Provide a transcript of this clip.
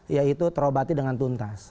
yaitu terobati dengan tuntas